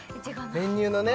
練乳のね